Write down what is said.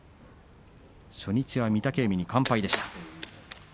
初日は御嶽海に完敗でした。